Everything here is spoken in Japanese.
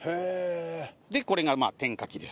でこれが点火機です。